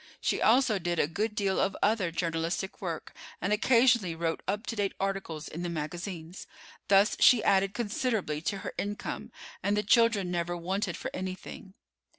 She also did a good deal of other journalistic work, and occasionally wrote up to date articles in the magazines. Thus she added considerably to her income, and the children never wanted for anything.